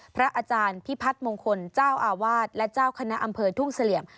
พระอาจารย์พิพัฒน์มงคลเจ้าอาวาสและเจ้าคณะอำเภอทุ่งเสลี่ยม